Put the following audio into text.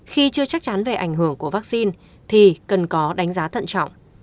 khi chưa chắc chắn về ảnh hưởng của vaccine thì cần có đánh giá thận trọng